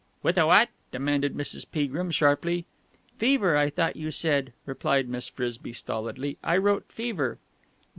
'" "With a what?" demanded Mrs. Peagrim sharply. "'Fever,' I thought you said," replied Miss Frisby stolidly. "I wrote 'fever.'"